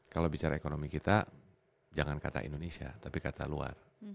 kalau bicara ekonomi kita jangan kata indonesia tapi kata luar